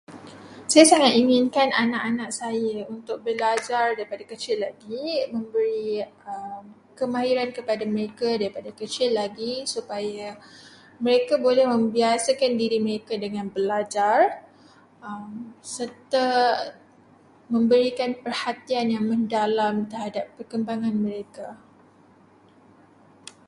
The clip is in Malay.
Saya sangat inginkan anak-anak saya untuk belajar daripada kecil lagi, memberi kemahiran kepada mereka daripada kecil lagi supaya mereka boleh membiasakan diri mereka dengan belajar, serta memberikan perhatian yang mendalam terhadap perkembangan mereka.